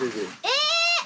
え！